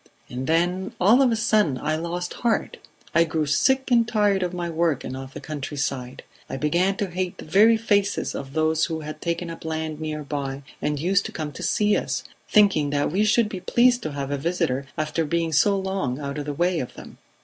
And then all of a sudden I lost heart; I grew sick and tired of my work and of the countryside; I began to hate the very faces of those who had taken up land near by and used to come to see us, thinking that we should be pleased to have a visitor after being so long out of the way of them.